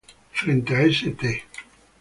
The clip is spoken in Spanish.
Frente a St.